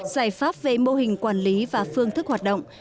giải pháp về mô hình quản lý và phương thức hoạt động